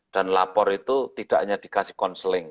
dan lapor itu tidak hanya dikasih konseling